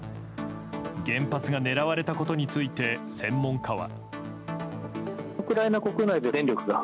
原発が狙われたことについて専門家は。